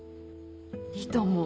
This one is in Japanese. いいと思う。